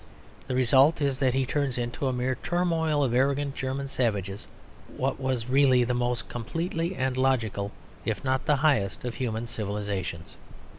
The result is that he turns into a mere turmoil of arrogant German savages what was really the most complete and logical, if not the highest, of human civilisations.